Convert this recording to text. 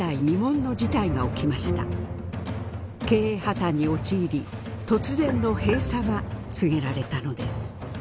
経営破綻に陥り突然の閉鎖が告げられたのです。